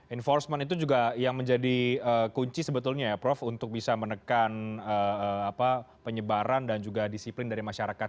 enforcement itu juga yang menjadi kunci sebetulnya ya prof untuk bisa menekan penyebaran dan juga disiplin dari masyarakat